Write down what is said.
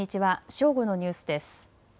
正午のニュースです。